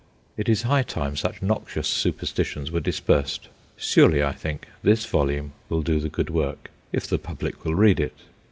It is high time such noxious superstitions were dispersed. Surely, I think, this volume will do the good work if the public will read it.